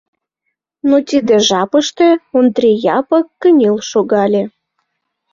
Но тиде жапыште Ондри Япык кынел шогале.